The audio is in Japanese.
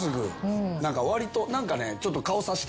わりと何かね。